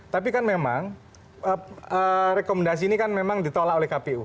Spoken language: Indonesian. tapi kan memang rekomendasi ini kan memang ditolak oleh kpu